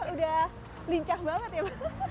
udah lincah banget ya bu